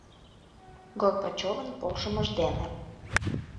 Горбачевын полшымыж дене.